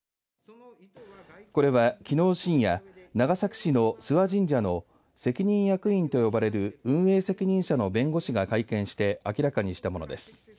これはきのう深夜長崎市の諏訪神社の責任役員と呼ばれる運営責任者の弁護士が会見して明らかにしたものです。